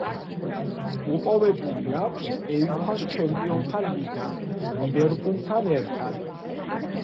მოპოვებული აქვს უეფა-ს ჩემპიონთა ლიგა „ლივერპულთან“ ერთად.